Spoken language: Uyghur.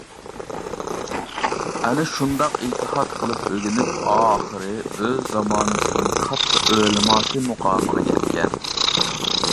ئەنە شۇنداق ئىجتىھات قىلىپ ئۆگىنىپ ئاخىرى ئۆز زامانىسىنىڭ كاتتا ئۆلىماسى مۇقامىغا يەتكەن.